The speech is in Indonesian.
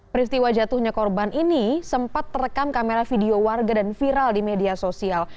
peristiwa jatuhnya korban ini sempat terekam kamera video warga dan viral di media sosial